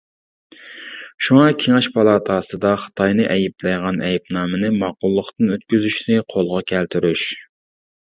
شۇڭا كېڭەش پالاتاسىدا خىتاينى ئەيىبلەيدىغان ئەيىبنامىنى ماقۇللۇقتىن ئۆتكۈزۈشنى قولغا كەلتۈرۈش.